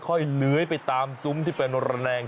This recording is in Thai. ค่อยเหนื้อไปตามซุ้มที่เป็นอรแนง